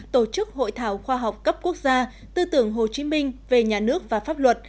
tổ chức hội thảo khoa học cấp quốc gia tư tưởng hồ chí minh về nhà nước và pháp luật